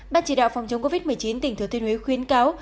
ban chỉ đạo phòng chống covid một mươi chín tỉnh thừa thiên huế khuyến cáo